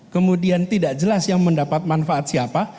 kemudian tidak jelas yang mendapat manfaat siapa